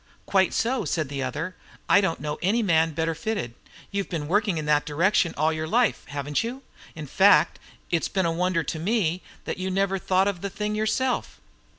"Quite so," said the other. "I don't know any man better fitted. You've been working in that direction all your life, haven't you? In fact, it's been a wonder to me that you never thought of the thing yourself."